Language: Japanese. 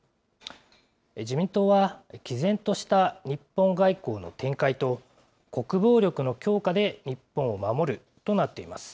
自民党は、きぜんとした日本外交の展開と国防力の強化で日本を守るとなっています。